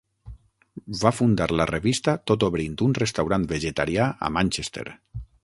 Va fundar la revista tot obrint un restaurant vegetarià a Manchester.